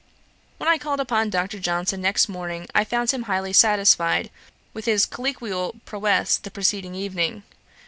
When I called upon Dr. Johnson next morning, I found him highly satisfied with his colloquial prowess the preceding evening.